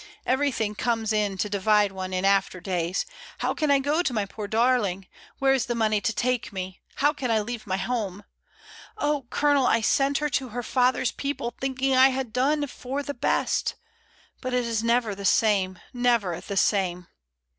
"Everything comes in to divide one in after days. ... How can I go to my poor darling? Where is the money to take me? How can I leave my home? Oh I Colonel, I sent her to her father's people, thinking I had done for the best; but it is never the same, never the same."